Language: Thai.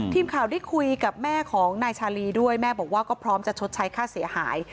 ทีมข่าวได้คุยกับแม่ของนายชาลีด้วยแม่บอกว่าก็พร้อมจะชดใช้ค่าเสียหาย